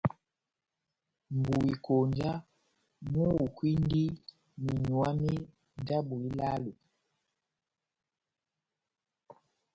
mʼbúmwi-konja múhukwindi menyuwa mé ndabo ilálo.